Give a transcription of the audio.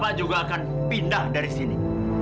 bapak juga akan pindah dari sini